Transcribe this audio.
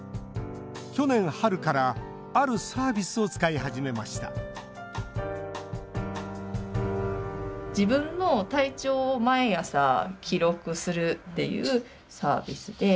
去年春からあるサービスを使い始めました自分の体調を毎朝記録するっていうサービスで。